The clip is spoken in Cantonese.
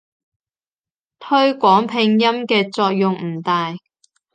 推廣拼音嘅作用唔大